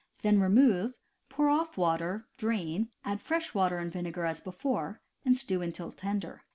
Then remove, pour off water, drain, add fresh water and vinegar as before, and stew until tender.